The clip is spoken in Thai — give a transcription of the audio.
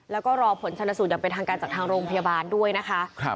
แล้วก็รอผลชนสูตรอย่างเป็นทางการจากทางโรงพยาบาลด้วยนะคะ